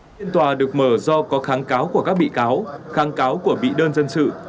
phiên tòa được mở do có kháng cáo của các bị cáo kháng cáo của bị đơn dân sự